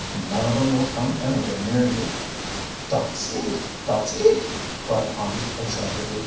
"None of 'em will come anywhere near you." "Dot's it! Dot's it!" cried Hans excitedly.